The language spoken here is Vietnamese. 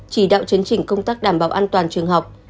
chỉ đạo chấn chỉnh công tác đảm bảo an toàn trường học